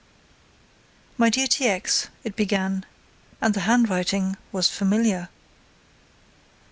"My dear T. X.," it began, and the handwriting was familiar.